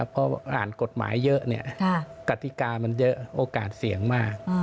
พออ่านกฎหมายเยอะกติกามันเยอะโอกาสเสี่ยงมาก